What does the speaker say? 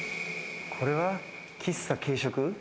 これは、喫茶・軽食